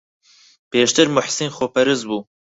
پێشتر موحسین خۆپەرست بوو.